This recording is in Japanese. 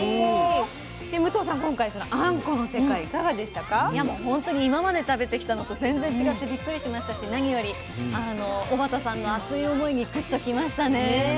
いやもう本当に今まで食べてきたのと全然違ってびっくりしましたし何より小幡さんの熱い思いにぐっと来ましたね。